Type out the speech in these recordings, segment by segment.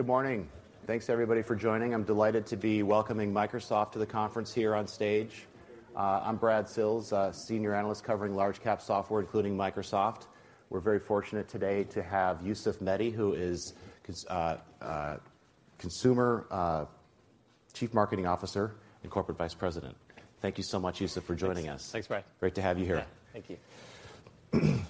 Good morning. Thanks, everybody, for joining. I'm delighted to be welcoming Microsoft to the conference here on stage. I'm Brad Sills, a Senior Analyst covering Large-cap software, including Microsoft. We're very fortunate today to have Yusuf Mehdi, who is Consumer Chief Marketing Officer and Corporate Vice President. Thank you so much, Yusuf, for joining us. Thanks, Brad. Great to have you here. Yeah. Thank you.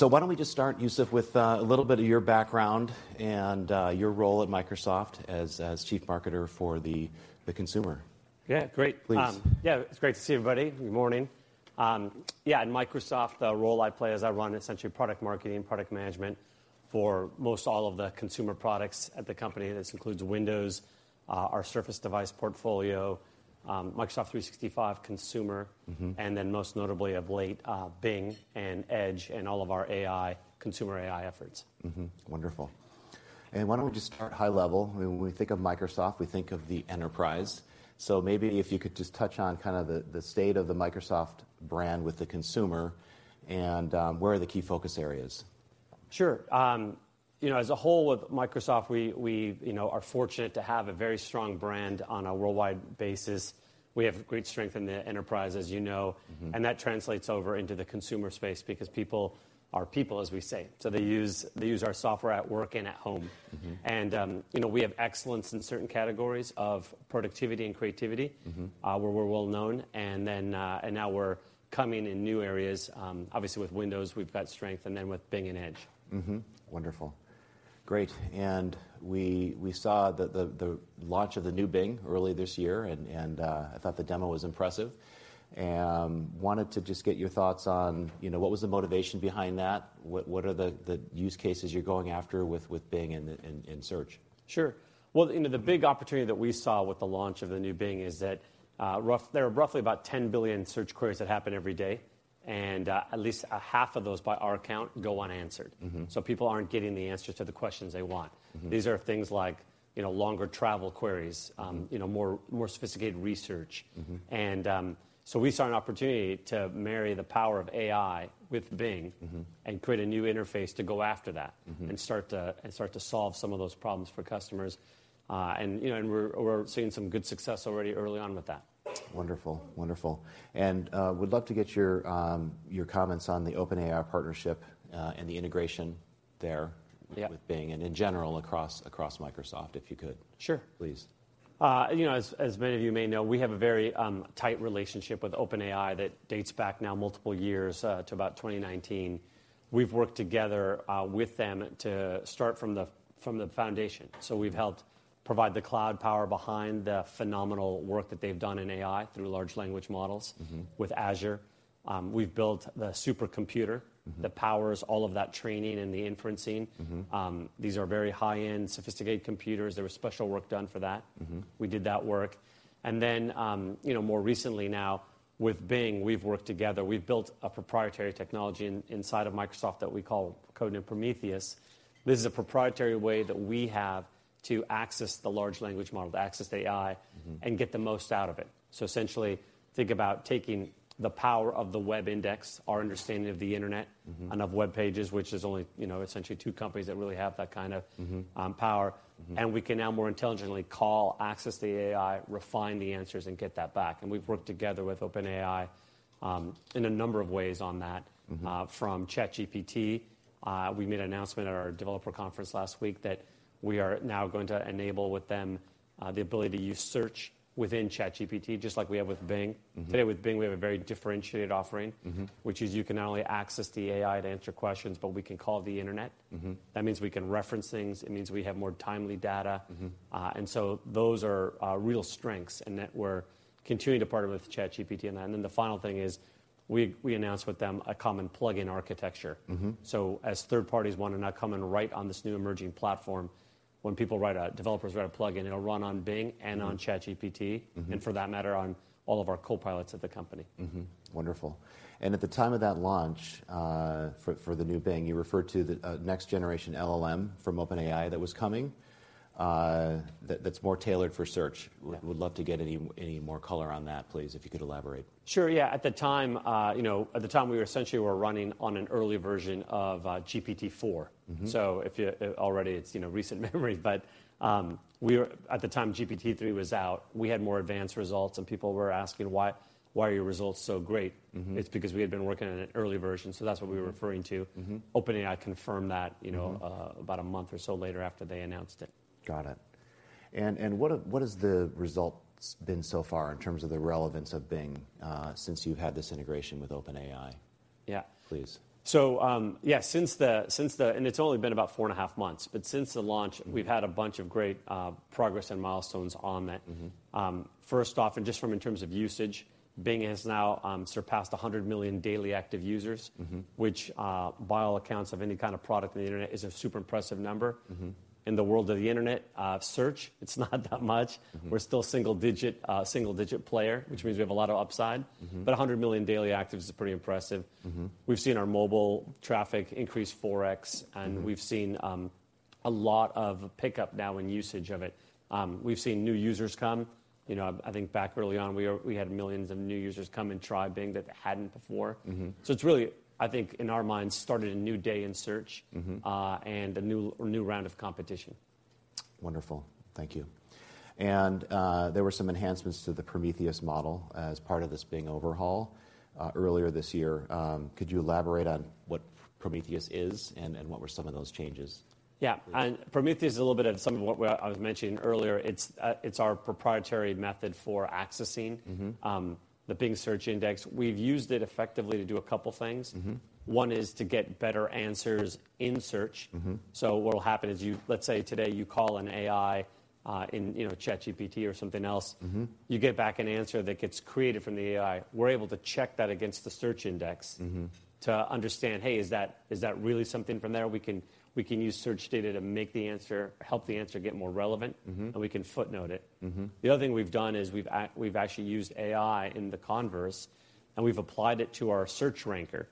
Why don't we just start, Yusuf, with, a little bit of your background and, your role at Microsoft as Chief Marketer for the consumer? Yeah, great. Please. It's great to see everybody. Good morning. At Microsoft, the role I play is I run essentially product marketing, product management for most all of the consumer products at the company. This includes Windows, our Surface device portfolio, Microsoft 365 Consumer. Mm-hmm Most notably of late, Bing and Edge and all of our AI, consumer AI efforts. Wonderful. Why don't we just start high level? When we think of Microsoft, we think of the enterprise. Maybe if you could just touch on kind of the state of the Microsoft brand with the consumer and where are the key focus areas? Sure. you know, as a whole, with Microsoft, we, you know, are fortunate to have a very strong brand on a worldwide basis. We have great strength in the enterprise, as you know. Mm-hmm. That translates over into the consumer space because people are people, as we say, so they use our software at work and at home. Mm-hmm. You know, we have excellence in certain categories of productivity and creativity. Mm-hmm Where we're well known, and then, and now we're coming in new areas. Obviously, with Windows, we've got strength, and then with Bing and Edge. Mm-hmm. Wonderful. Great. We saw the launch of the new Bing early this year, and I thought the demo was impressive. Wanted to just get your thoughts on, you know, what was the motivation behind that? What are the use cases you're going after with Bing in search? Sure. Well, you know, the big opportunity that we saw with the launch of the new Bing is that there are roughly about 10 billion search queries that happen every day, and at least a half of those, by our count, go unanswered. Mm-hmm. People aren't getting the answers to the questions they want. Mm-hmm. These are things like, you know, longer travel queries, you know, more sophisticated research. Mm-hmm. We saw an opportunity to marrySthe power of AI with Bing. Mm-hmm Create a new interface to go after that. Mm-hmm start to solve some of those problems for customers. You know, and we're seeing some good success already early on with that. Wonderful, wonderful. Would love to get your comments on the OpenAI partnership, and the integration there. Yeah With Bing and in general across Microsoft, if you could. Sure. Please. You know, as many of you may know, we have a very tight relationship with OpenAI that dates back now multiple years, to about 2019. We've worked together, with them to start from the foundation. We've helped provide the cloud power behind the phenomenal work that they've done in AI through large language models. Mm-hmm With Azure, we've built the supercomputer. Mm-hmm That powers all of that training and the inferencing. Mm-hmm. These are very high-end, sophisticated computers. There was special work done for that. Mm-hmm. We did that work. Then, you know, more recently now with Bing, we've worked together. We've built a proprietary technology inside of Microsoft that we call, codename Prometheus. This is a proprietary way that we have to access the large language model, to access the AI. Mm-hmm Get the most out of it. Essentially, think about taking the power of the web index, our understanding of the internet. Mm-hmm Of web pages, which there's only, you know, essentially two companies that really have that kind of power. Mm-hmm. We can now more intelligently call, access the AI, refine the answers, and get that back. We've worked together with OpenAI in a number of ways on that. Mm-hmm. From ChatGPT, we made an announcement at our developer conference last week that we are now going to enable with them, the ability to use search within ChatGPT, just like we have with Bing. Mm-hmm. Today, with Bing, we have a very differentiated offering. Mm-hmm Which is you can not only access the AI to answer questions, but we can call the internet. Mm-hmm. That means we can reference things. It means we have more timely data. Mm-hmm. Those are real strengths, and that we're continuing to partner with ChatGPT on that. The final thing is, we announced with them a common plugin architecture. Mm-hmm. As third parties want to now come in and write on this new emerging platform, when developers write a plugin, it'll run on Bing and on ChatGPT. Mm-hmm For that matter, on all of our Copilots at the company. Wonderful. At the time of that launch, for the new Bing, you referred to the next-generation LLM from OpenAI that was coming, that's more tailored for search. Yeah. Would love to get any more color on that, please, if you could elaborate. Sure, yeah. At the time, you know, at the time, we were essentially running on an early version of GPT-4. Mm-hmm. If you. Already it's, you know, recent memory, but, at the time GPT-3 was out, we had more advanced results, and people were asking: "Why are your results so great? Mm-hmm. It's because we had been working on an early version, so that's what we were referring to. Mm-hmm. OpenAI confirmed that, you know. Mm-hmm About a month or so later after they announced it. Got it. What has the results been so far in terms of the relevance of Bing, since you've had this integration with OpenAI? Yeah. Please. Yeah, it's only been about four and a half months, but since the launch, we've had a bunch of great progress and milestones on that. Mm-hmm. First off, and just from in terms of usage, Bing has now surpassed 100 million daily active users. Mm-hmm Which, by all accounts of any kind of product on the internet, is a super impressive number. Mm-hmm. In the world of the internet, search, it's not that much. Mm-hmm. We're still single-digit player, which means we have a lot of upside. Mm-hmm. 100 million daily actives is pretty impressive. Mm-hmm. We've seen our mobile traffic increase 4x. Mm-hmm We've seen a lot of pickup now in usage of it. We've seen new users come. You know, I think back early on, we had millions of new users come and try Bing that hadn't before. Mm-hmm. It's really, I think, in our minds, started a new day in search. Mm-hmm A new round of competition. Wonderful. Thank you. There were some enhancements to the Prometheus model as part of this Bing overhaul, earlier this year. Could you elaborate on what Prometheus is, and what were some of those changes? Yeah. Prometheus is a little bit of some of what we, I was mentioning earlier. It's, it's our proprietary method for accessing. Mm-hmm. The Bing search index. We've used it effectively to do a couple things. Mm-hmm. One is to get better answers in Search. Mm-hmm. What will happen is let's say today you call an AI, in, you know, ChatGPT or something else. Mm-hmm. You get back an answer that gets created from the AI. We're able to check that against the search index. Mm-hmm To understand, hey, is that really something from there? We can use search data to help the answer get more relevant. Mm-hmm. We can footnote it. Mm-hmm. The other thing we've done is we've actually used AI in the converse, and we've applied it to our search ranker.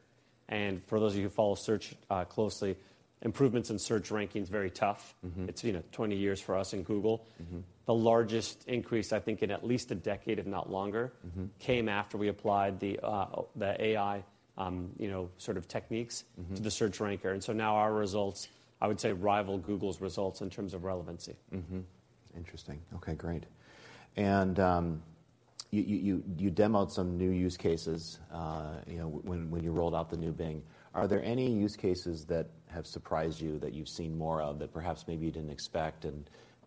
For those of you who follow search, closely, improvements in search ranking is very tough. Mm-hmm. It's, you know, 20 years for us and Google. Mm-hmm. The largest increase, I think, in at least a decade, if not longer. Mm-hmm Came after we applied the AI, you know, sort of techniques Mm-hmm -to the search ranker. Now our results, I would say, rival Google's results in terms of relevancy. Interesting. Okay, great. You demoed some new use cases, you know, when you rolled out the new Bing. Are there any use cases that have surprised you, that you've seen more of, that perhaps maybe you didn't expect?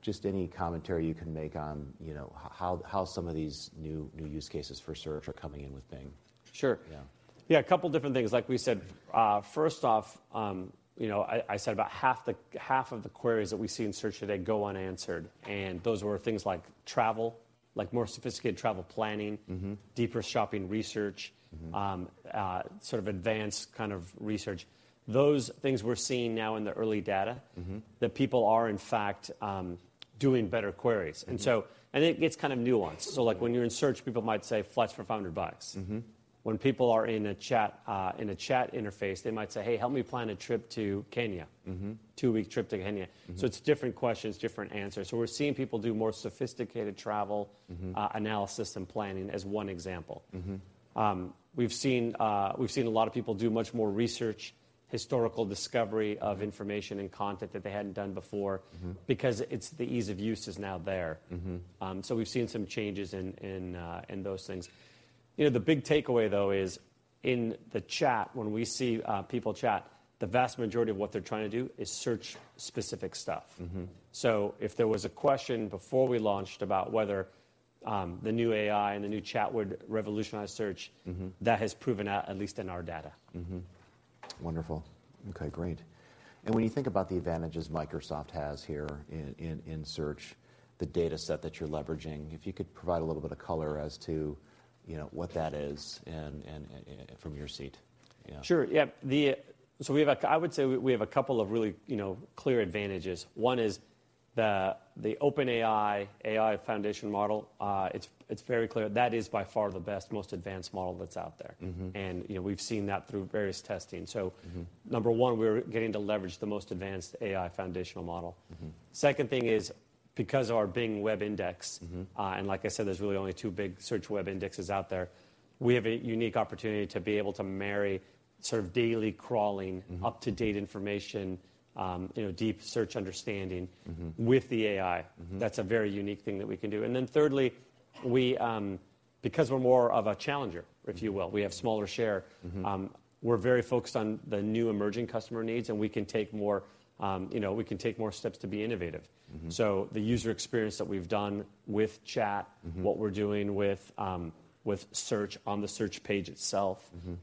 Just any commentary you can make on, you know, how some of these new use cases for search are coming in with Bing. Sure. Yeah. Yeah, a couple different things. Like we said, first off, you know, I said about half of the queries that we see in search today go unanswered, and those were things like travel, like more sophisticated travel planning... Mm-hmm... deeper shopping research. Mm-hmm... sort of advanced kind of research. Those things we're seeing now in the early data- Mm-hmm that people are in fact, doing better queries. Mm-hmm. It gets kind of nuanced. Like, when you're in search, people might say, "Flights for $500. Mm-hmm. When people are in a chat interface, they might say, "Hey, help me plan a trip to Kenya. Mm-hmm. Two-week trip to Kenya. Mm-hmm. It's different questions, different answers. We're seeing people do more sophisticated travel- Mm-hmm analysis and planning as one example. Mm-hmm. We've seen a lot of people do much more research, historical discovery of information and content that they hadn't done before. Mm-hmm because it's the ease of use is now there. Mm-hmm. We've seen some changes in those things. You know, the big takeaway, though, is in the chat, when we see people chat, the vast majority of what they're trying to do is search specific stuff. Mm-hmm. If there was a question before we launched about whether the new AI and the new chat would revolutionize Search. Mm-hmm That has proven out, at least in our data. Mm-hmm. Wonderful. Okay, great. When you think about the advantages Microsoft has here in search, the data set that you're leveraging, if you could provide a little bit of color as to, you know, what that is and from your seat? Yeah. Sure, yeah, we have a, I would say we have a couple of really, you know, clear advantages. One is the OpenAI AI foundation model, it's very clear that is by far the best, most advanced model that's out there. Mm-hmm. You know, we've seen that through various testing. Mm-hmm. Number one, we're getting to leverage the most advanced AI foundational model. Mm-hmm. Second thing is, because of our Bing web index- Mm-hmm Like I said, there's really only two big search web indexes out there, we have a unique opportunity to be able to marry sort of daily crawling-. Mm-hmm up-to-date information, you know, deep search understanding Mm-hmm with the AI. Mm-hmm. That's a very unique thing that we can do. Thirdly, we, because we're more of a challenger, if you will, we have smaller share- Mm-hmm... we're very focused on the new emerging customer needs, and we can take more, you know, we can take more steps to be innovative. Mm-hmm. the user experience that we've done with Mm-hmm what we're doing with Search on the search page itself. Mm-hmm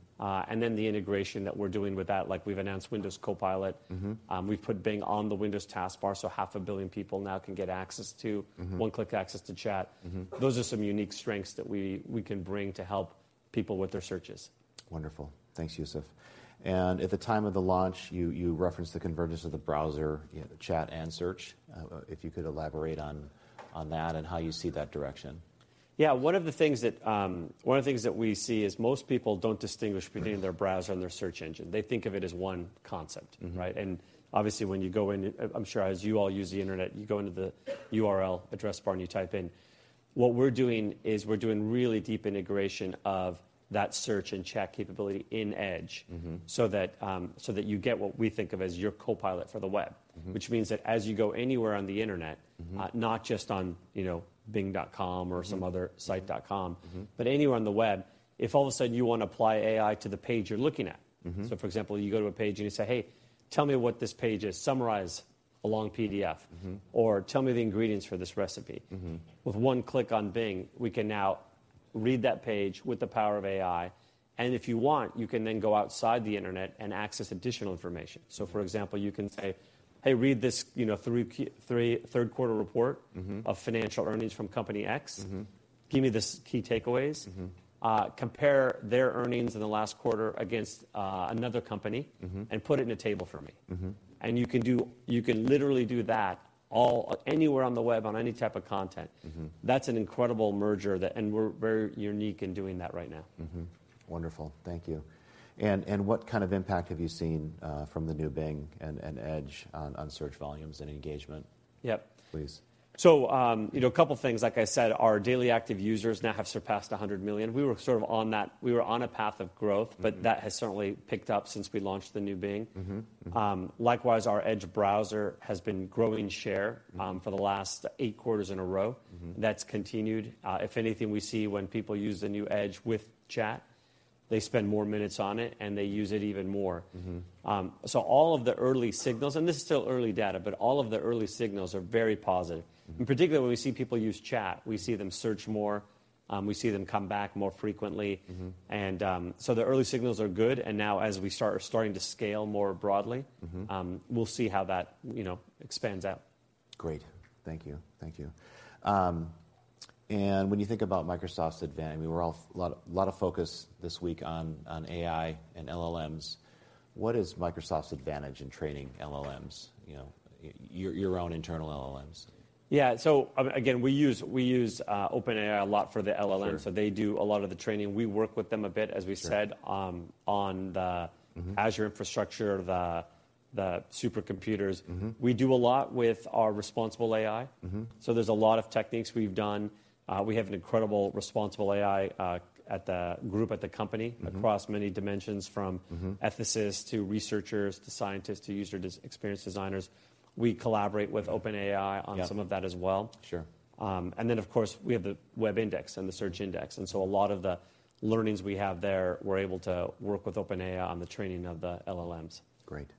And then the integration that we're doing with that, like we've announced Windows Copilot. Mm-hmm. We've put Bing on the Windows taskbar, so half a billion people now can get access to. Mm-hmm one-click access to Chat. Mm-hmm. Those are some unique strengths that we can bring to help people with their searches. Wonderful. Thanks, Yusuf. At the time of the launch, you referenced the convergence of the browser, you know, the chat, and search. If you could elaborate on that and how you see that direction. Yeah. One of the things that we see is most people don't. Mm-hmm between their browser and their search engine. They think of it as one concept. Mm-hmm. Right? Obviously, when you go in, I'm sure as you all use the Internet, you go into the URL address bar, and you type in. What we're doing is we're doing really deep integration of that search and chat capability in Edge. Mm-hmm that, so that you get what we think of as your Copilot for the web. Mm-hmm. Which means that as you go anywhere on the Internet. Mm-hmm not just on, you know, bing.com or- Mm-hmm some other Mm-hmm -site.com- Mm-hmm Anywhere on the web, if all of a sudden you want to apply AI to the page you're looking at... Mm-hmm... For example, you go to a page, and you say, "Hey, tell me what this page is. Summarize a long PDF. Mm-hmm. Tell me the ingredients for this recipe. Mm-hmm. With one click on Bing, we can now read that page with the power of AI, and if you want, you can then go outside the Internet and access additional information. For example, you can say, "Hey, read this, you know, third-quarter report. Mm-hmm of financial earnings from company X. Mm-hmm. Give me the key takeaways. Mm-hmm. Compare their earnings in the last quarter against another. Mm-hmm put it in a table for me. Mm-hmm. You can literally do that all, anywhere on the web, on any type of content. Mm-hmm. That's an incredible merger and we're very unique in doing that right now. Wonderful. Thank you. What kind of impact have you seen from the new Bing and Edge on search volumes and engagement? Yep. Please. You know, a couple things. Like I said, our daily active users now have surpassed $100 million. We were on a path of growth. Mm-hmm... but that has certainly picked up since we launched the new Bing. Mm-hmm, mm-hmm. likewise, our Edge browser has been growing share- Mm-hmm for the last eight quarters in a row. Mm-hmm. That's continued. If anything, we see when people use the new Edge with Chat, they spend more minutes on it, and they use it even more. Mm-hmm. All of the early signals, and this is still early data, but all of the early signals are very positive. Mm-hmm. In particular, when we see people use chat, we see them search more, we see them come back more frequently. Mm-hmm. The early signals are good, and now as we're starting to scale more broadly. Mm-hmm... we'll see how that, you know, expands out. Great. Thank you. Thank you. When you think about Microsoft's advantage, I mean, we're all a lot of focus this week on AI and LLMs. What is Microsoft's advantage in training LLMs, you know, your own internal LLMs? Yeah. Again, we use OpenAI a lot for the LLM. Sure. They do a lot of the training. We work with them a bit, as we said. Sure... um, on the- Mm-hmm... Azure infrastructure, the supercomputers. Mm-hmm. We do a lot with our responsible AI. Mm-hmm. There's a lot of techniques we've done. We have an incredible, responsible AI, at the group, at the company. Mm-hmm... across many dimensions, from- Mm-hmm... ethicists, to researchers, to scientists, to user experience designers. We collaborate with OpenAI. Yeah on some of that as well. Sure. Of course, we have the web index and the search index, and so a lot of the learnings we have there, we're able to work with OpenAI on the training of the LLMs. Great.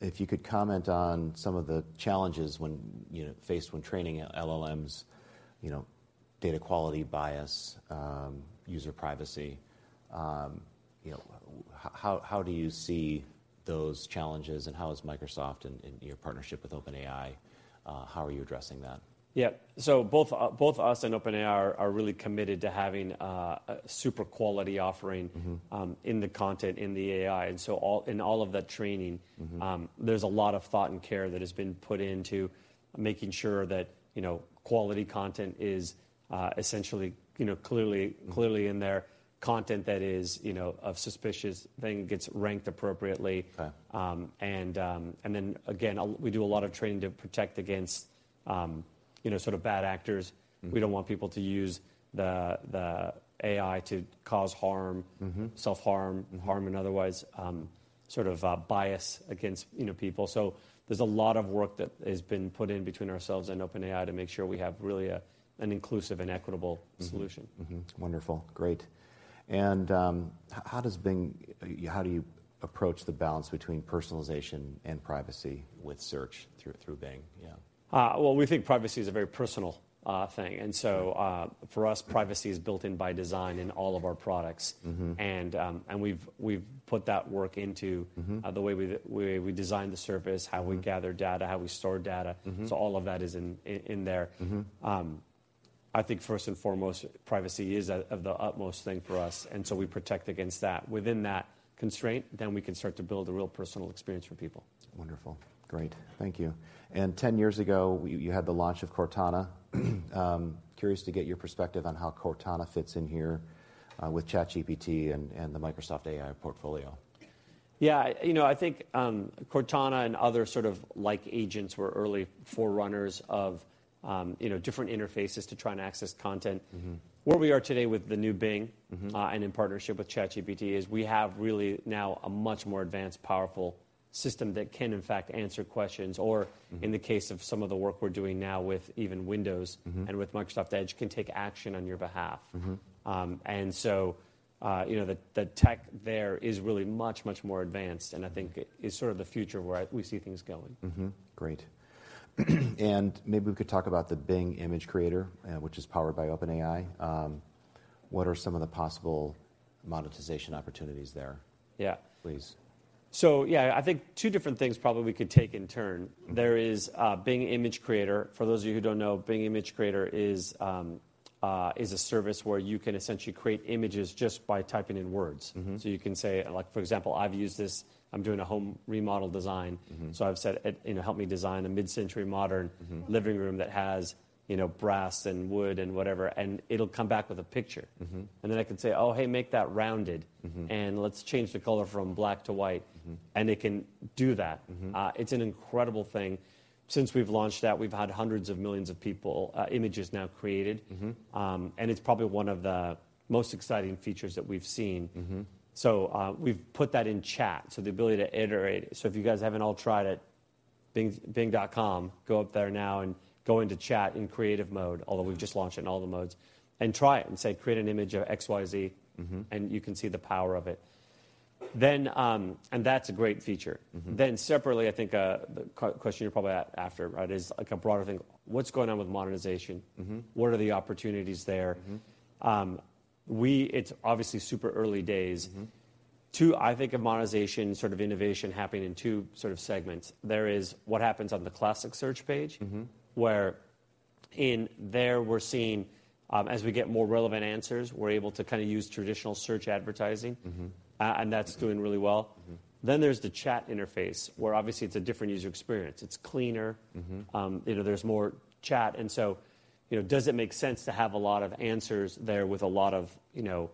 If you could comment on some of the challenges when, you know, faced when training LLMs, you know, data quality, bias, user privacy, you know, how do you see those challenges, and how is Microsoft and your partnership with OpenAI, how are you addressing that? Yeah. both us and OpenAI are really committed to having a super quality offering. Mm-hmm... in the content, in the AI, in all of that training- Mm-hmm there's a lot of thought and care that has been put into making sure that, you know, quality content is, essentially, you know, clearly in there. Content that is, you know, of suspicious thing gets ranked appropriately. Fair. Then again, we do a lot of training to protect against, you know, sort of bad actors. Mm-hmm. We don't want people to use the AI to cause harm. Mm-hmm... self-harm and harm in otherwise, sort of, bias against, you know, people. There's a lot of work that has been put in between ourselves and OpenAI to make sure we have really a, an inclusive and equitable solution. Mm-hmm. Mm-hmm. Wonderful, great. How does Bing, how do you approach the balance between personalization and privacy with search through Bing, yeah? Well, we think privacy is a very personal thing. Yeah. For us, privacy is built in by design in all of our products. Mm-hmm. We've put that work. Mm-hmm the way we design the service Mm-hmm how we gather data, how we store data. Mm-hmm. All of that is in there. Mm-hmm. I think first and foremost, privacy is of the utmost thing for us. Mm-hmm We protect against that. Within that constraint, we can start to build a real personal experience for people. Wonderful. Great, thank you. 10 years ago, you had the launch of Cortana. Curious to get your perspective on how Cortana fits in here, with ChatGPT and the Microsoft AI portfolio. Yeah, you know, I think, Cortana and other sort of like agents were early forerunners of, you know, different interfaces to try and access content. Mm-hmm. Where we are today with the new Bing... Mm-hmm... in partnership with ChatGPT, is we have really now a much more advanced, powerful system that can, in fact, answer questions. Mm-hmm... in the case of some of the work we're doing now with even Windows- Mm-hmm With Microsoft Edge, can take action on your behalf. Mm-hmm. you know, the tech there is really much, much more advanced, and I think it is sort of the future where we see things going. Great. Maybe we could talk about the Bing Image Creator, which is powered by OpenAI. What are some of the possible monetization opportunities there? Yeah. Please. Yeah, I think two different things probably we could take in turn. Mm-hmm. There is Bing Image Creator. For those of you who don't know, Bing Image Creator is a service where you can essentially create images just by typing in words. Mm-hmm. You can say, like, for example, I've used this, I'm doing a home remodel design. Mm-hmm. I've said, you know, "Help me design a mid-century, modern- Mm-hmm... living room that has, you know, brass and wood and whatever," and it'll come back with a picture. Mm-hmm. I can say: "Oh, hey, make that rounded- Mm-hmm... and let's change the color from black to white. Mm-hmm. It can do that. Mm-hmm. It's an incredible thing. Since we've launched that, we've had hundreds of millions of people, images now created. Mm-hmm. It's probably one of the most exciting features that we've seen. Mm-hmm. We've put that in chat, the ability to iterate. If you guys haven't all tried it, bing.com, go up there now and go into chat in creative mode, although we've just launched it in all the modes, and try it and say, "Create an image of XYZ. Mm-hmm. You can see the power of it. That's a great feature. Mm-hmm. Separately, I think, question you're probably at after, right, is like a broader thing. What's going on with monetization? Mm-hmm. What are the opportunities there? Mm-hmm. It's obviously super early days. Mm-hmm. Two, I think, of monetization, sort of innovation happening in two sort of segments. There is what happens on the classic search page. Mm-hmm... where in there, we're seeing, as we get more relevant answers, we're able to kind of use traditional search advertising. Mm-hmm. That's doing really well. Mm-hmm. There's the chat interface, where obviously it's a different user experience. It's cleaner. Mm-hmm. You know, there's more chat, and so, you know, does it make sense to have a lot of answers there with a lot of, you know,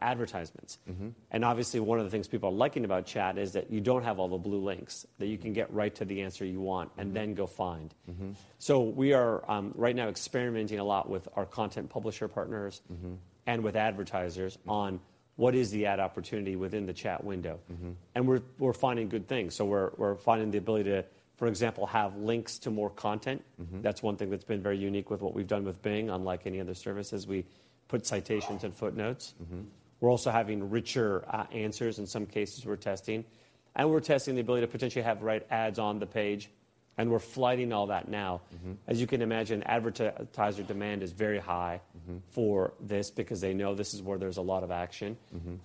advertisements? Mm-hmm. Obviously, one of the things people are liking about chat is that you don't have all the blue links, that you can get right to the answer you want. Mm-hmm... and then go find. Mm-hmm. We are, right now experimenting a lot with our content publisher partners. Mm-hmm With advertisers on what is the ad opportunity within the chat window. Mm-hmm. We're finding good things. We're finding the ability to, for example, have links to more content. Mm-hmm. That's one thing that's been very unique with what we've done with Bing. Unlike any other services, we put citations and footnotes. Mm-hmm. We're also having richer, answers in some cases we're testing. We're testing the ability to potentially have right ads on the page. We're flighting all that now. Mm-hmm. As you can imagine, advertiser demand is very high. Mm-hmm -for this because they know this is where there's a lot of action. Mm-hmm.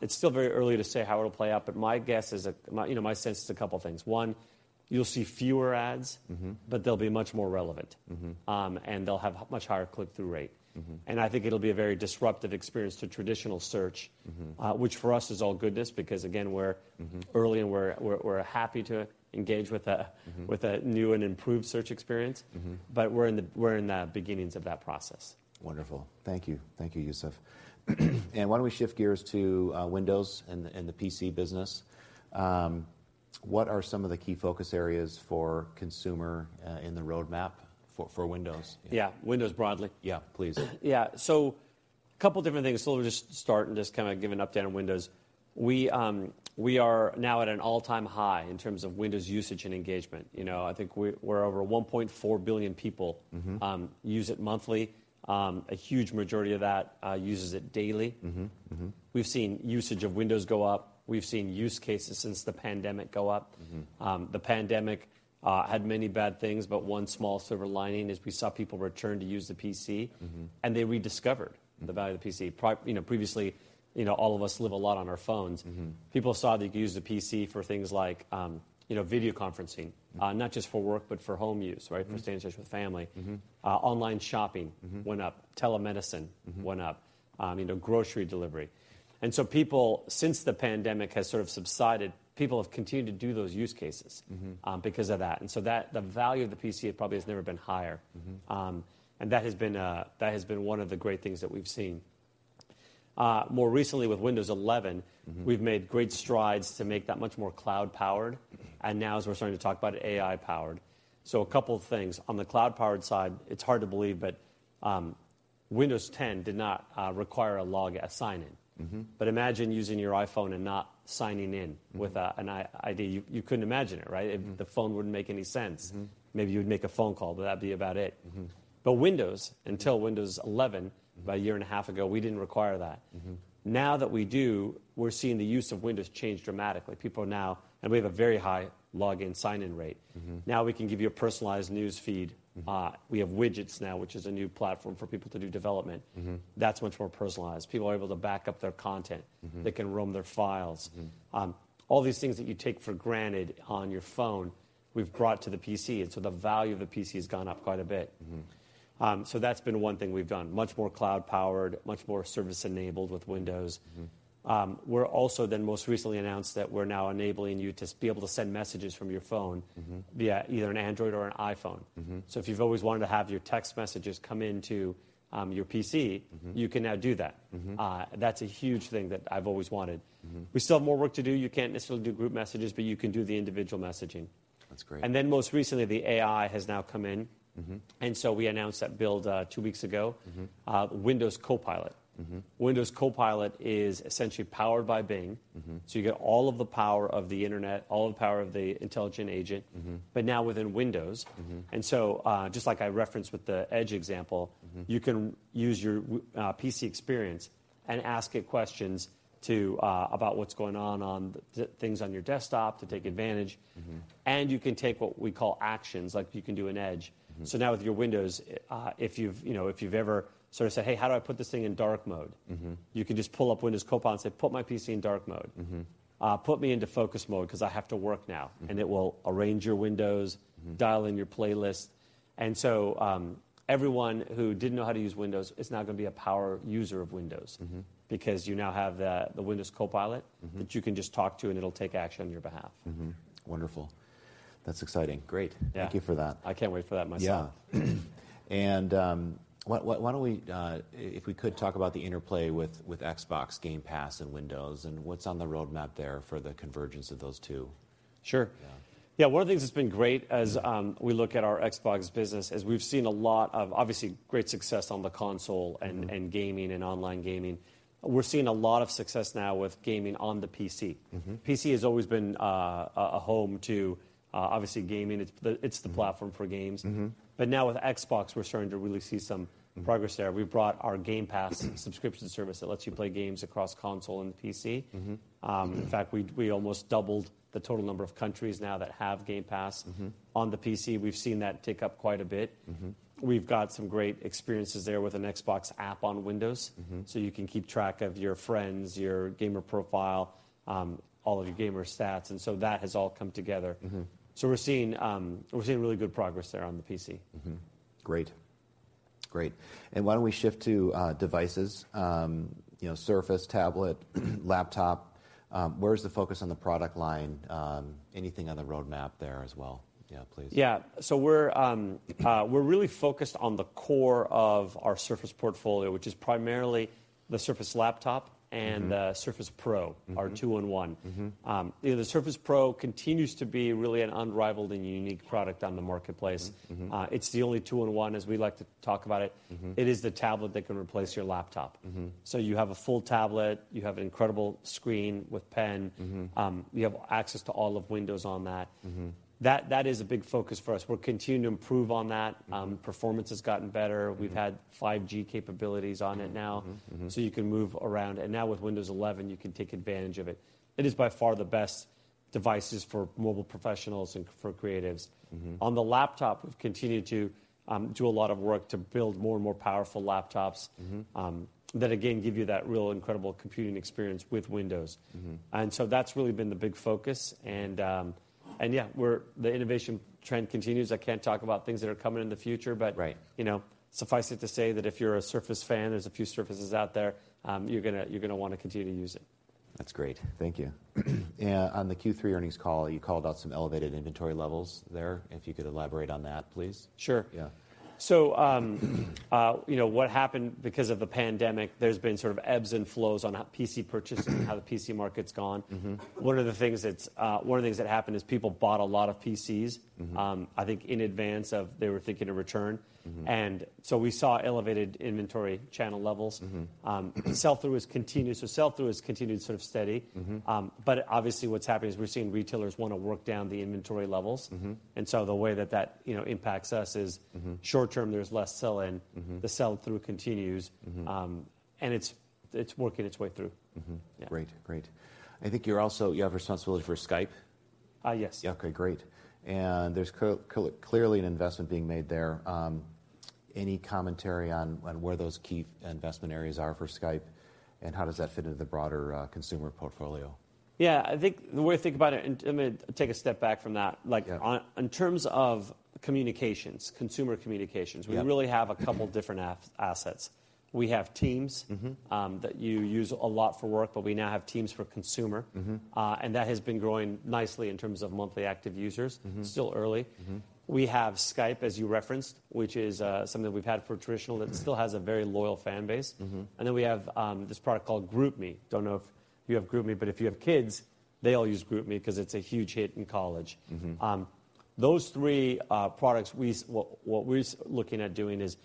It's still very early to say how it'll play out, but my guess is that, you know, my sense is a couple of things: One, you'll see fewer ads. Mm-hmm they'll be much more relevant. Mm-hmm. They'll have much higher click-through rate. Mm-hmm. I think it'll be a very disruptive experience to traditional search- Mm-hmm which for us is all goodness, because, again. Mm-hmm early and we're happy to engage with. Mm-hmm with a new and improved search experience. Mm-hmm. We're in the beginnings of that process. Wonderful. Thank you. Thank you, Yusuf. Why don't we shift gears to Windows and the PC business? What are some of the key focus areas for consumer in the roadmap for Windows? Yeah, Windows broadly? Yeah, please. Yeah. A couple different things. Let me just start and just kind of give an update on Windows. We are now at an all-time high in terms of Windows usage and engagement. You know, I think we're over 1.4 billion people- Mm-hmm... use it monthly. A huge majority of that, uses it daily. Mm-hmm. Mm-hmm. We've seen usage of Windows go up. We've seen use cases since the pandemic go up. Mm-hmm. The pandemic had many bad things, but one small silver lining is we saw people return to use the PC. Mm-hmm -and they rediscovered- Mm the value of the PC. You know, previously, you know, all of us live a lot on our phones. Mm-hmm. People saw they could use the PC for things like, you know, video conferencing. Mm not just for work, but for home use, right? Mm-hmm. For staying in touch with family. Mm-hmm. online shopping. Mm-hmm went up, telemedicine- Mm-hmm went up, you know, grocery delivery. People, since the pandemic has sort of subsided, people have continued to do those use cases. Mm-hmm because of that, and so that, the value of the PC probably has never been higher. Mm-hmm. That has been one of the great things that we've seen. More recently, with Windows 11... Mm-hmm We've made great strides to make that much more cloud powered. Mm-hmm As we're starting to talk about it, AI-powered. A couple of things. On the cloud-powered side, it's hard to believe, but Windows 10 did not require a login sign-in. Mm-hmm. Imagine using your iPhone and not signing in. Mm with an ID. You couldn't imagine it, right? Mm-hmm. The phone wouldn't make any sense. Mm-hmm. Maybe you would make a phone call, but that'd be about it. Mm-hmm. Windows, until Windows 11... Mm About a year and a half ago, we didn't require that. Mm-hmm. Now that we do, we're seeing the use of Windows change dramatically. People are now... We have a very high login sign-in rate. Mm-hmm. Now, we can give you a personalized news feed. Mm-hmm. We have widgets now, which is a new platform for people to do development. Mm-hmm. That's much more personalized. People are able to back up their content. Mm-hmm. They can roam their files. Mm-hmm. All these things that you take for granted on your phone, we've brought to the PC, and so the value of the PC has gone up quite a bit. Mm-hmm. That's been one thing we've done. Much more cloud powered, much more service enabled with Windows. Mm-hmm. We're also then most recently announced that we're now enabling you to be able to send messages from your phone... Mm-hmm -via either an Android or an iPhone. Mm-hmm. If you've always wanted to have your text messages come into, your PC. Mm-hmm you can now do that. Mm-hmm. That's a huge thing that I've always wanted. Mm-hmm. We still have more work to do. You can't necessarily do group messages, but you can do the individual messaging. That's great. Most recently, the AI has now come in. Mm-hmm. We announced at Build, two weeks ago- Mm-hmm... Windows Copilot. Mm-hmm. Windows Copilot is essentially powered by Bing. Mm-hmm. You get all of the power of the internet, all of the power of the intelligent agent. Mm-hmm now within Windows. Mm-hmm. Just like I referenced with the Edge example. Mm-hmm you can use your PC experience and ask it questions to about what's going on on the things on your desktop to take advantage. Mm-hmm. You can take what we call actions, like you can do in Edge. Mm-hmm. Now with your Windows, if you've, you know, if you've ever sort of said, "Hey, how do I put this thing in dark mode? Mm-hmm. You can just pull up Windows Copilot and say, "Put my PC in dark mode. Mm-hmm. Put me into focus mode because I have to work now. Mm-hmm. It will arrange your Windows-. Mm-hmm... dial in your playlist. Everyone who didn't know how to use Windows is now gonna be a power user of Windows. Mm-hmm because you now have the Windows Copilot Mm-hmm that you can just talk to, and it'll take action on your behalf. Wonderful. That's exciting. Great. Yeah. Thank you for that. I can't wait for that myself. Yeah. Why don't we, if we could, talk about the interplay with Xbox Game Pass and Windows, and what's on the roadmap there for the convergence of those two? Sure. Yeah. One of the things that's been great as we look at our Xbox business is we've seen a lot of, obviously, great success on the console. Mm-hmm Gaming and online gaming. We're seeing a lot of success now with gaming on the PC. Mm-hmm. PC has always been a home to obviously gaming. It's the Mm-hmm... platform for games. Mm-hmm. Now with Xbox, we're starting to really see. Mm... progress there. We've brought our Game Pass subscription service that lets you play games across console and PC. Mm-hmm. Mm-hmm. In fact, we almost doubled the total number of countries now that have Game Pass. Mm-hmm on the PC. We've seen that tick up quite a bit. Mm-hmm. We've got some great experiences there with an Xbox app on Windows. Mm-hmm. You can keep track of your friends, your gamer profile, all of your gamer stats, and so that has all come together. Mm-hmm. We're seeing really good progress there on the PC. Great. Great, why don't we shift to devices? You know, Surface tablet, laptop. Where's the focus on the product line? Anything on the roadmap there as well? Yeah, please. Yeah. We're really focused on the core of our Surface portfolio, which is primarily the Surface Laptop- Mm-hmm The Surface Pro. Mm-hmm our two-in-one. Mm-hmm. You know, the Surface Pro continues to be really an unrivaled and unique product on the marketplace. Mm-hmm. Mm-hmm. It's the only two-in-one, as we like to talk about it. Mm-hmm. It is the tablet that can replace your laptop. Mm-hmm. You have a full tablet. You have an incredible screen with pen. Mm-hmm. You have access to all of Windows on that. Mm-hmm. That is a big focus for us. We're continuing to improve on that. Mm-hmm. Performance has gotten better. Mm-hmm. We've had 5G capabilities on it now. Mm-hmm. Mm-hmm. You can move around, and now with Windows 11, you can take advantage of it. It is by far the best devices for mobile professionals and for creatives. Mm-hmm. On the laptop, we've continued to do a lot of work to build more and more powerful laptops. Mm-hmm that again, give you that real incredible computing experience with Windows. Mm-hmm. That's really been the big focus. Yeah, the innovation trend continues. I can't talk about things that are coming in the future but. Right... you know, suffice it to say that if you're a Surface fan, there's a few Surfaces out there, you're gonna want to continue to use it. That's great. Thank you. On the Q3 earnings call, you called out some elevated inventory levels there, if you could elaborate on that, please? Sure. Yeah. You know, what happened because of the pandemic, there's been sort of ebbs and flows on, PC purchasing. Mm-hmm. how the PC market's gone. Mm-hmm. One of the things that happened is people bought a lot of PCs. Mm-hmm... I think in advance of they were thinking of return. Mm-hmm. We saw elevated inventory channel levels. Mm-hmm. Sell-through has continued, so sell-through has continued sort of steady. Mm-hmm. Obviously, what's happening is we're seeing retailers wanna work down the inventory levels. Mm-hmm. The way that, you know, impacts us. Mm-hmm short term, there's less sell-in. Mm-hmm. The sell-through continues. Mm-hmm. And it's working its way through. Mm-hmm. Yeah. Great. Great. I think you're also, you have responsibility for Skype? Yes. Yeah. Okay, great. There's clearly an investment being made there. Any commentary on where those key investment areas are for Skype, and how does that fit into the broader consumer portfolio? Yeah, I think the way I think about it, and, I mean, take a step back from that. Yeah Like, on, in terms of communications, consumer communications- Yeah we really have a couple different assets. We have Teams. Mm-hmm... that you use a lot for work, but we now have Teams for Consumer. Mm-hmm. That has been growing nicely in terms of monthly active users. Mm-hmm. Still early. Mm-hmm. We have Skype, as you referenced, which is something we've had for traditional- Mm-hmm... that still has a very loyal fan base. Mm-hmm. We have this product called GroupMe. Don't know if you have GroupMe, but if you have kids, they all use GroupMe 'cause it's a huge hit in college. Mm-hmm. Those three products, what we're looking at doing is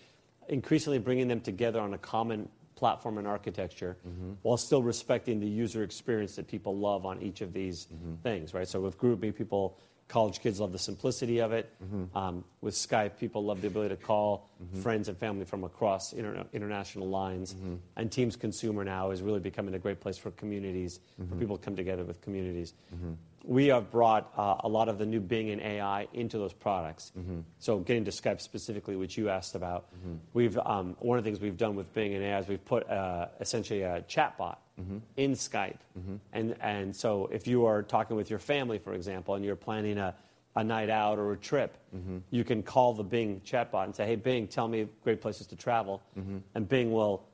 increasingly bringing them together on a common platform and architecture. Mm-hmm... while still respecting the user experience that people love on each of these- Mm-hmm... things, right? With GroupMe, people, college kids love the simplicity of it. Mm-hmm. With Skype, people love the ability. Mm-hmm... friends and family from across international lines. Mm-hmm. Teams Consumer now is really becoming a great place for communities. Mm-hmm... for people to come together with communities. Mm-hmm. We have brought, a lot of the new Bing and AI into those products. Mm-hmm. getting to Skype specifically, which you asked about... Mm-hmm we've, one of the things we've done with Bing and AI is we've put, essentially a chatbot- Mm-hmm... in Skype. Mm-hmm. If you are talking with your family, for example, and you're planning a night out or a trip. Mm-hmm you can call the Bing chatbot and say, "Hey, Bing, tell me great places to travel. Mm-hmm. Bing will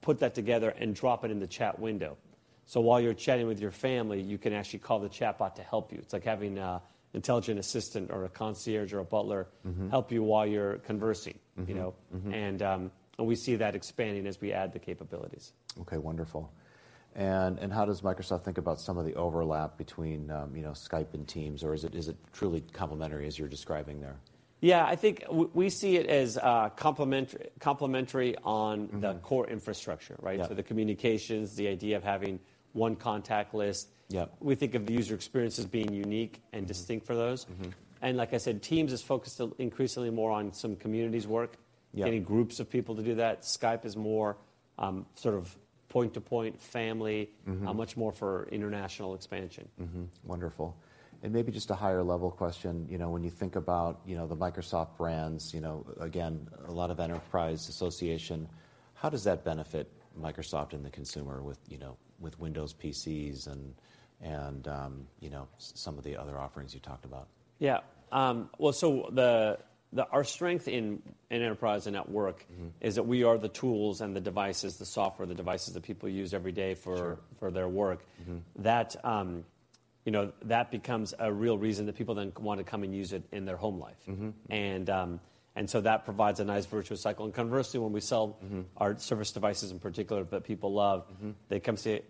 put that together and drop it in the chat window. While you're chatting with your family, you can actually call the chatbot to help you. It's like having a intelligent assistant or a concierge or a butler. Mm-hmm... help you while you're conversing, you know? Mm-hmm. Mm-hmm. We see that expanding as we add the capabilities. Okay, wonderful. How does Microsoft think about some of the overlap between, you know, Skype and Teams, or is it truly complementary as you're describing there? Yeah, I think we see it as complementary on- Mm-hmm... the core infrastructure, right? Yeah. The communications, the idea of having one contact list. Yeah. We think of the user experience as being unique. Mm-hmm Distinct for those. Mm-hmm. like I said, Teams is focused on increasingly more on some communities. Yeah... getting groups of people to do that. Skype is more sort of point-to-point, family- Mm-hmm... much more for international expansion. Wonderful. maybe just a higher level question, you know, when you think about, you know, the Microsoft brands, you know, again, a lot of enterprise association, how does that benefit Microsoft and the consumer with, you know, with Windows PCs and, you know, some of the other offerings you talked about? Yeah. Well, the, our strength in enterprise and at work- Mm-hmm... is that we are the tools and the devices, the software, the devices that people use every day for- Sure... for their work. Mm-hmm. That, you know, that becomes a real reason that people then wanna come and use it in their home life. Mm-hmm. That provides a nice virtuous cycle. Conversely, when we sell- Mm-hmm... our Surface devices in particular that people love Mm-hmm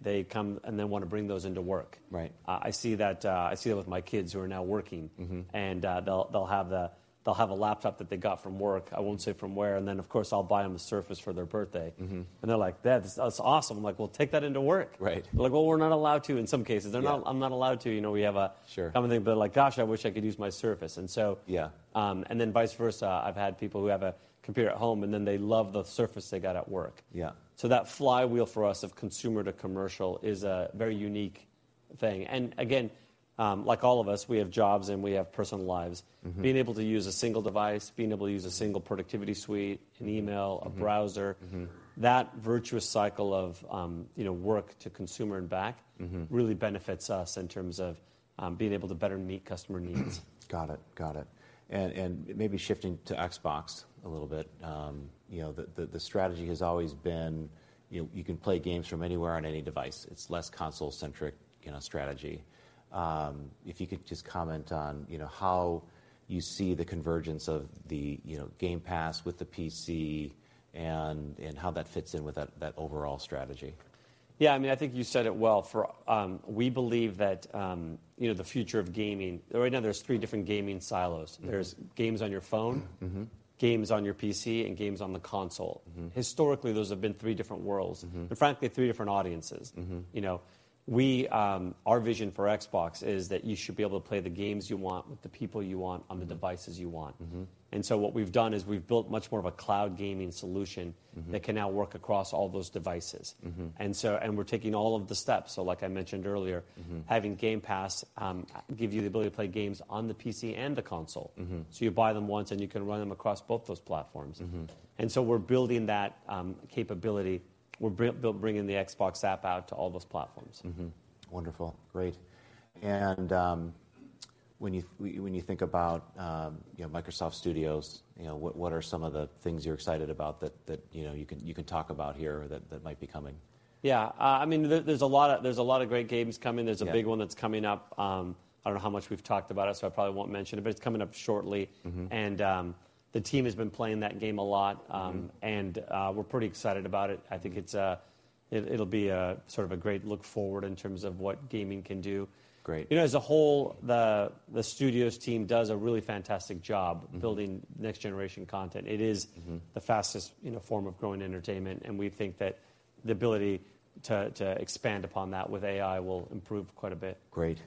they come and then wanna bring those into work. Right. I see that with my kids who are now working. Mm-hmm. They'll have a laptop that they got from work, I won't say from where, and then, of course, I'll buy them a Surface for their birthday. Mm-hmm. They're like: "Dad, that's awesome!" I'm like: "Well, take that into work. Right. They're like: "Well, we're not allowed to," in some cases. Yeah. I'm not allowed to. You know, we have a... Sure.... kind of thing." They're like: "Gosh, I wish I could use my Surface. Yeah. Then vice versa, I've had people who have a computer at home, and then they love the Surface they got at work. Yeah. That flywheel for us of consumer to commercial is a very unique thing. Again, like all of us, we have jobs, and we have personal lives. Mm-hmm. Being able to use a single device, being able to use a single productivity suite, an email- Mm-hmm... a browser- Mm-hmm... that virtuous cycle of, you know, work to consumer and back. Mm-hmm... really benefits us in terms of, being able to better meet customer needs. Got it. Got it. maybe shifting to Xbox a little bit, you know, the strategy has always been, you can play games from anywhere on any device. It's less console-centric, you know, strategy. If you could just comment on, you know, how you see the convergence of the, you know, Game Pass with the PC and how that fits in with that overall strategy. Yeah, I mean, I think you said it well. We believe that, you know, the future of gaming. Right now, there's three different gaming silos. Mm-hmm. There's games on your phone. Mm-hmm... games on your PC, and games on the console. Mm-hmm. Historically, those have been three different worlds. Mm-hmm. Frankly, three different audiences. Mm-hmm. You know, we, our vision for Xbox is that you should be able to play the games you want, with the people you want, on the devices you want. Mm-hmm. what we've done is we've built much more of a cloud gaming solution. Mm-hmm that can now work across all those devices. Mm-hmm. We're taking all of the steps. Like I mentioned earlier. Mm-hmm... having Game Pass, give you the ability to play games on the PC and the console. Mm-hmm. You buy them once, and you can run them across both those platforms. Mm-hmm. We're building that capability. We're bringing the Xbox app out to all those platforms. Wonderful. Great. When you think about, you know, Microsoft Studios, you know, what are some of the things you're excited about that, you know, you can talk about here that might be coming? Yeah. I mean, there's a lot of great games coming. Yeah. There's a big one that's coming up. I don't know how much we've talked about it, so I probably won't mention it, but it's coming up shortly. Mm-hmm. The team has been playing that game a lot, and, we're pretty excited about it. I think it's, it'll be a sort of a great look forward in terms of what gaming can do. Great. You know, as a whole, the studios team does a really fantastic job. Mm-hmm building next-generation content. Mm-hmm... the fastest, you know, form of growing entertainment, and we think that the ability to expand upon that with AI will improve quite a bit. Great.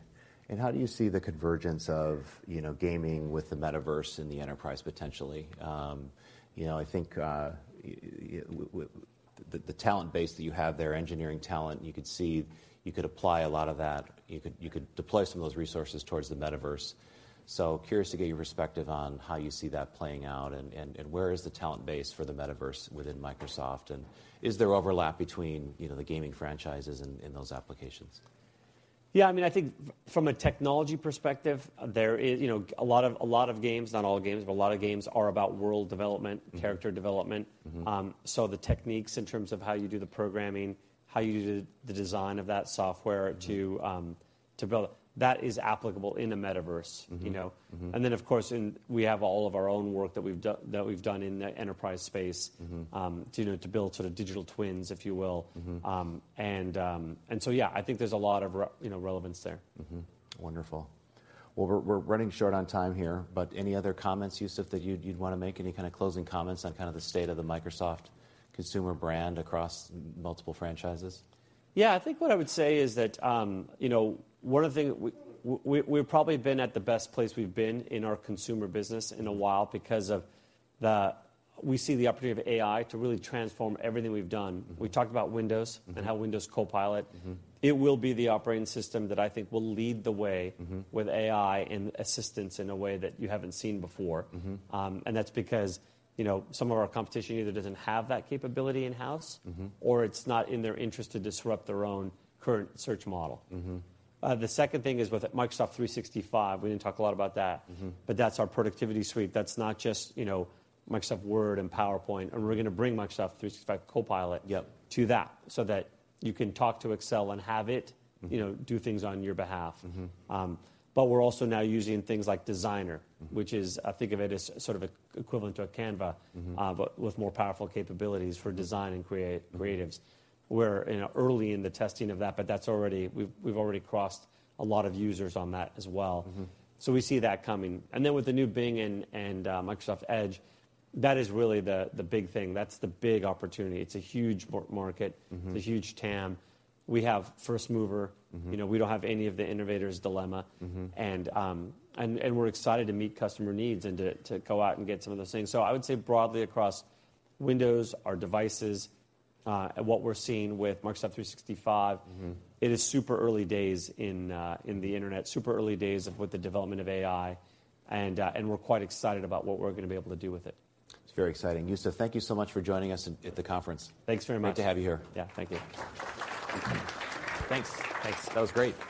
How do you see the convergence of, you know, gaming with the metaverse in the enterprise potentially? You know, I think the talent base that you have there, engineering talent, you could apply a lot of that. You could, you could deploy some of those resources towards the metaverse. Curious to get your perspective on how you see that playing out, and where is the talent base for the metaverse within Microsoft, and is there overlap between, you know, the gaming franchises in those applications? Yeah, I mean, I think from a technology perspective, you know, a lot of games, not all games, but a lot of games are about world development. Mm-hmm... character development. Mm-hmm. The techniques in terms of how you do the programming, how you do the design of that software. Mm-hmm... to build, that is applicable in the metaverse Mm-hmm... you know. Mm-hmm. Of course, we have all of our own work that we've done in the enterprise space. Mm-hmm to build sort of digital twins, if you will. Mm-hmm. Yeah, I think there's a lot of you know, relevance there. Wonderful. We're running short on time here. Any other comments, Yusuf, that you'd wanna make? Any kind of closing comments on kind of the state of the Microsoft consumer brand across multiple franchises? I think what I would say is that, you know, one of the things we've probably been at the best place we've been in our consumer business in a while because we see the opportunity of AI to really transform everything we've done. Mm-hmm. We talked about Windows... Mm-hmm how Windows Copilot- Mm-hmm... it will be the operating system that I think will lead the way. Mm-hmm... with AI and assistance in a way that you haven't seen before. Mm-hmm. That's because, you know, some of our competition either doesn't have that capability in-house. Mm-hmm... or it's not in their interest to disrupt their own current search model. Mm-hmm. The second thing is with Microsoft 365, we didn't talk a lot about that. Mm-hmm. That's our productivity suite. That's not just, you know, Microsoft Word and PowerPoint, and we're gonna bring Microsoft 365 Copilot- Yep to that, so that you can talk to Excel and have it Mm-hmm you know, do things on your behalf. Mm-hmm. We're also now using things like Designer. Mm-hmm... which is, I think of it as sort of equivalent to a Canva. Mm-hmm... but with more powerful capabilities for design and creatives. We're, you know, early in the testing of that, but that's we've already crossed a lot of users on that as well. Mm-hmm. We see that coming. With the new Bing and Microsoft Edge, that is really the big thing. That's the big opportunity. It's a huge market. Mm-hmm... a huge TAM. We have first mover. Mm-hmm. You know, we don't have any of the innovator's dilemma. Mm-hmm. We're excited to meet customer needs and to go out and get some of those things. I would say broadly across Windows, our devices, and what we're seeing with Microsoft 365... Mm-hmm it is super early days in the internet, super early days of with the development of AI, we're quite excited about what we're gonna be able to do with it. It's very exciting. Yusuf, thank you so much for joining us at the conference. Thanks very much. Great to have you here. Yeah. Thank you. Thanks. That was great.